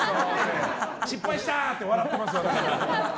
失敗したって笑ってますよ。